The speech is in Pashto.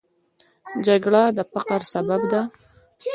جګړه د فقر سبب ده